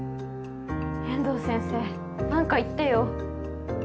遠藤先生何か言ってよ。